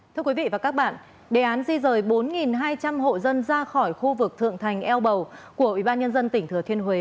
thưa quý vị và các bạn đề án di rời bốn hai trăm linh hộ dân ra khỏi khu vực thượng thành eo bầu của ủy ban nhân dân tỉnh thừa thiên huế